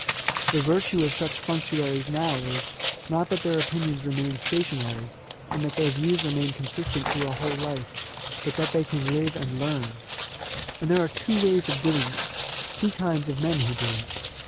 The virtue of such functionaries now is, not that their opinions remain stationary, and that their views remain consistent through a whole life, but that they can Uve and learn. And there are two ways of doing this — ^two kinds of men who do it.